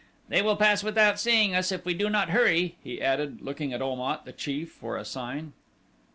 "They will pass without seeing us if we do not hurry," he added looking at Om at, the chief, for a sign.